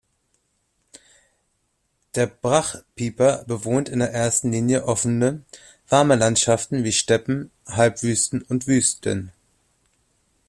Der Brachpieper bewohnt in erster Linie offene, warme Landschaften wie Steppen, Halbwüsten und Wüsten.